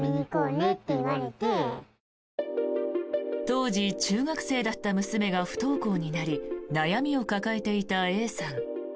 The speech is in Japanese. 当時、中学生だった娘が不登校になり悩みを抱えていたＡさん。